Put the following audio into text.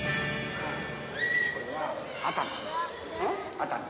これは熱海。